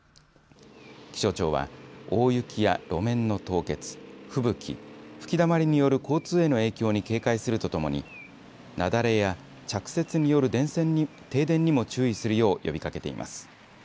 気象庁は大雪や路面の凍結吹雪、吹きだまりによる交通への影響に警戒するとともに雪崩や着雪による停電にも注意するよう呼びかけています。